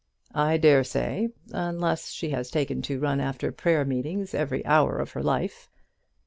"I dare say; unless she has taken to run after prayer meetings every hour of her life."